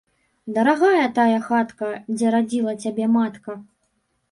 Дарагая тая хатка, дзе радзіла цябе матка.